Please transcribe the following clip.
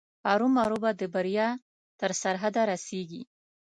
ارومرو به د بریا تر سرحده رسېږي.